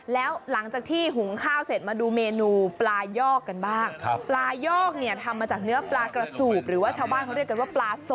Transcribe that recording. แล้วหลังจากที่หุงข้าวเสร็จมาดูเมนูปลายอกกันบ้างปลายอกเนี่ยทำมาจากเนื้อปลากระสูบหรือว่าชาวบ้านเขาเรียกกันว่าปลาโซ